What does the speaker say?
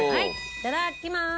いただきます！